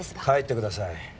帰ってください。